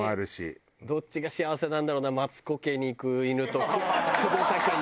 どっちが幸せなんだろうなマツコ家に行く犬と久保田家に行く。